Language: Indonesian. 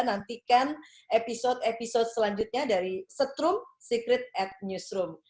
nantikan episode episode selanjutnya dari setrum secret at newsroom